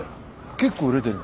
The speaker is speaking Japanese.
結構売れてるんだ。